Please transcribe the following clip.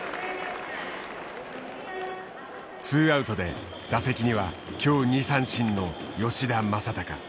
２アウトで打席には今日２三振の吉田正尚。